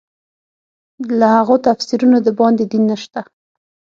له هغو تفسیرونو د باندې دین نشته.